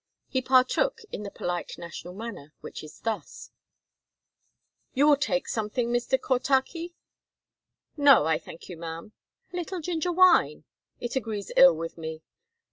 He partook in the polite national manner, which is thus: "You will take something, Mr. Cortachy?" "No, I thank you, ma'am." "A little ginger wine?" "It agrees ill with me."